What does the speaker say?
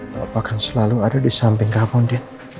bapak kan selalu ada di samping kamu din